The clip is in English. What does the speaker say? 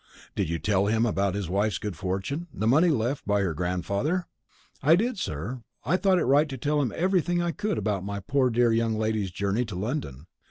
"Did you tell him about his wife's good fortune the money left her by her grandfather?" "I did, sir; I thought it right to tell him everything I could about my poor dear young lady's journey to London.